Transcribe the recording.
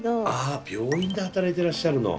ああ病院で働いてらっしゃるの。